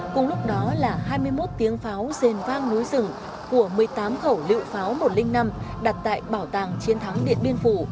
cùng lúc đó là hai mươi một tiếng pháo rền vang núi rừng của một mươi tám khẩu lựu pháo một trăm linh năm đặt tại bảo tàng chiến thắng điện biên phủ